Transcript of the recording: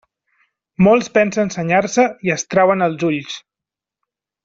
Molts pensen senyar-se i es trauen els ulls.